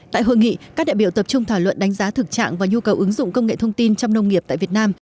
tại hội nghị các đại biểu tập trung thảo luận đánh giá thực trạng và nhu cầu ứng dụng công nghệ thông tin trong nông nghiệp tại việt nam